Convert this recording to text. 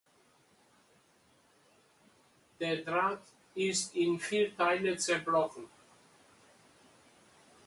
Der Draht ist in vier Teile zerbrochen.